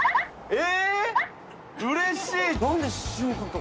え？